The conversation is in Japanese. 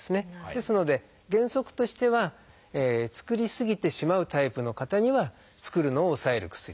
ですので原則としては作りすぎてしまうタイプの方には作るのを抑える薬。